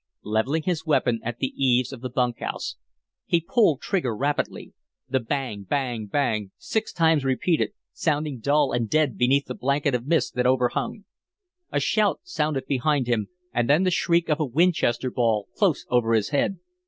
Levelling his weapon at the eaves of the bunk house, he pulled trigger rapidly the bang, bang, bang, six times repeated, sounding dull and dead beneath the blanket of mist that overhung. A shout sounded behind him, and then the shriek of a Winchester ball close over his head.